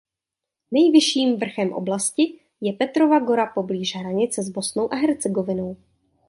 Nejvyšším vrchem oblasti je Petrova Gora poblíž hranice s Bosnou a Hercegovinou.